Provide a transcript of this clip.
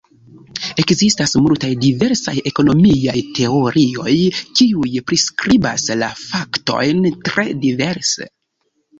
Ekzistas multaj diversaj ekonomiaj teorioj, kiuj priskribas la faktojn tre diverse.